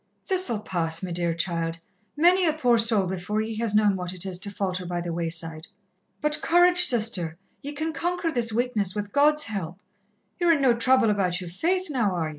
"This'll pass, me dear child. Many a poor soul before ye has known what it is to falter by the wayside. But courage, Sister, ye can conquer this weakness with God's help. You're in no trouble about your faith, now are ye?"